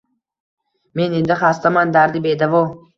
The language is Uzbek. Men endi xastaman, dardi bedavo